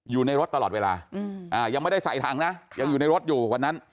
อยู่ในรถตลอดเวลายังไม่ได้ใส่ถังนะยังอยู่ในรถอยู่วันนั้น